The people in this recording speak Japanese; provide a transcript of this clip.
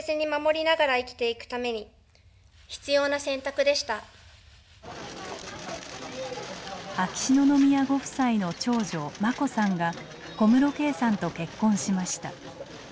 私たちにとって結婚は秋篠宮ご夫妻の長女眞子さんが小室圭さんと結婚しました。